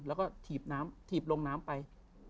แล้วก็ถีบลงน้ำไป